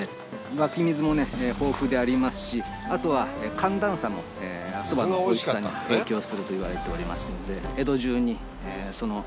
湧き水も豊富でありますしあとは寒暖差もそばのおいしさに影響するといわれておりますので。